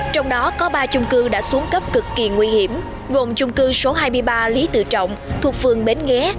trong đó có ba chung cư đã xuống cấp cực kỳ nguy hiểm gồm chung cư số hai mươi ba lý tự trọng thuộc phường bến nghé